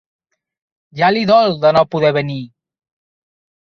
Ja li dol, de no poder venir!